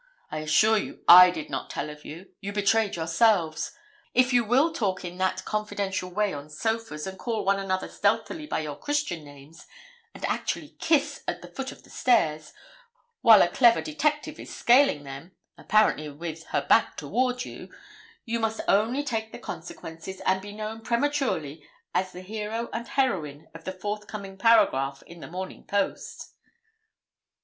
I assure you I did not tell of you; you betrayed yourselves. If you will talk in that confidential way on sofas, and call one another stealthily by your Christian names, and actually kiss at the foot of the stairs, while a clever detective is scaling them, apparently with her back toward you, you must only take the consequences, and be known prematurely as the hero and heroine of the forthcoming paragraph in the "Morning Post."'